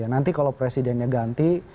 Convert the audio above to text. nanti kalau presidennya ganti